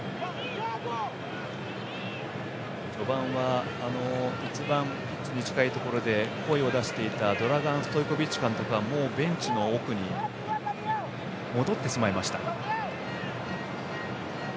序盤は一番ピッチに近いところで声を出していたドラガン・ストイコビッチ監督はもうベンチの奥に戻ってしまいました。